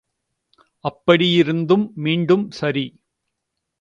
அப்படி யிருந்தும் மீண்டும், சரி.